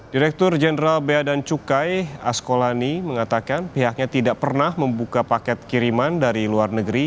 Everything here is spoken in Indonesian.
direktur jenderal bea dan cukai askolani mengatakan pihaknya tidak pernah membuka paket kiriman dari luar negeri